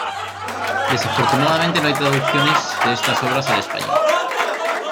Desafortunadamente no hay traducciones de estas obras al español.